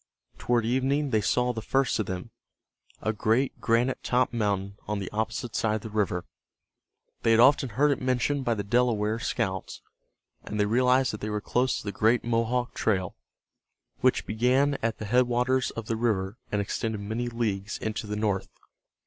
Toward evening they saw the first of them, a great granite topped mountain on the opposite side of the river. They had often heard it mentioned by the Delaware scouts, and they realized that they were close to the great Mohawk trail, which began at the headwaters of the river and extended many leagues into the north.